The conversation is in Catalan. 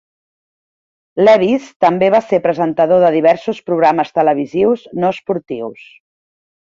Lewis també va ser presentador de diversos programes televisius no esportius.